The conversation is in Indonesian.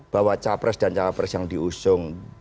bahwa capres dan cawapres yang diusung